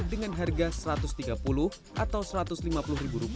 dengan harga rp satu ratus tiga puluh atau rp satu ratus lima puluh